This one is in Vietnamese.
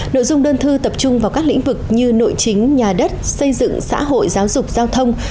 nội dung đơn thư tập trung vào các lĩnh vực như nội chính nhà đất xây dựng xã hội giáo dục giao thông